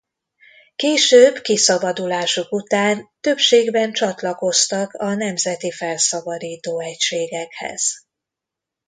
Később kiszabadulásuk után többségben csatlakoztak a nemzeti felszabadító egységekhez.